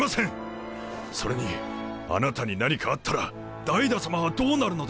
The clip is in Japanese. それにあなたに何かあったらダイダさまはどうなるのです！